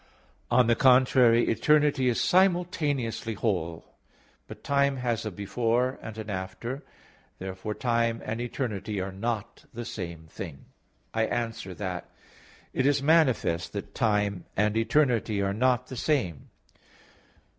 On the contrary, Eternity is simultaneously whole. But time has a "before" and an "after." Therefore time and eternity are not the same thing. I answer that, It is manifest that time and eternity are not the same.